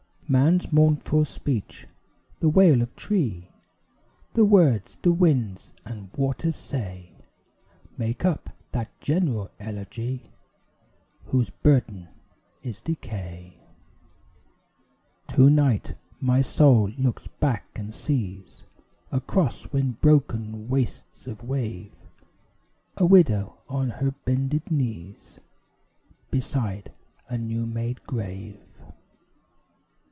Man's mournful speech, the wail of tree, The words the winds and waters say, Make up that general elegy, Whose burden is decay. To night my soul looks back and sees, Across wind broken wastes of wave, A widow on her bended knees Beside a new made grave.